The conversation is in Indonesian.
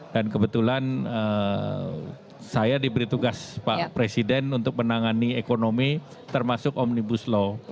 dan kebetulan saya diberi tugas pak presiden untuk menangani ekonomi termasuk omnibus law